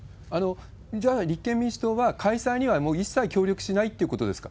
じゃあ、立憲民主党は開催にはもう一切協力しないってことですか？